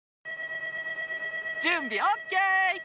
じゅんびオッケー！